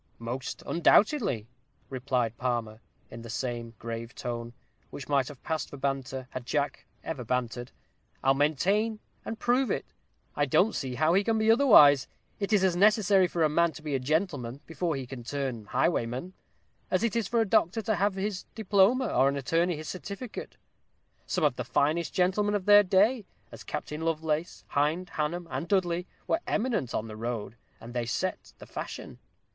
"Most undoubtedly," replied Palmer, in the same grave tone, which might have passed for banter, had Jack ever bantered. "I'll maintain and prove it. I don't see how he can be otherwise. It is as necessary for a man to be a gentleman before he can turn highwayman, as it is for a doctor to have his diploma, or an attorney his certificate. Some of the finest gentlemen of their day, as Captain Lovelace, Hind, Hannum, and Dudley, were eminent on the road, and they set the fashion.